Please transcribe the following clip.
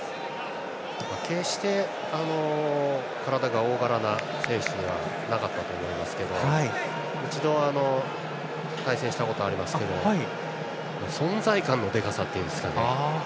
決して体が大柄な選手ではなかったと思うんですけど一度、対戦したことがありますが存在感のでかさというんですかね。